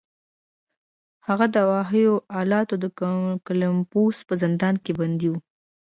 هغه د اوهایو ایالت د کولمبوس په زندان کې بندي و